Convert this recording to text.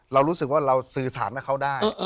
เรารู้สึกว่าเราสื่อสารกับเขาได้